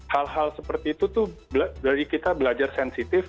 hal hal seperti itu tuh dari kita belajar sensitif